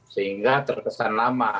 sehingga terkesan lama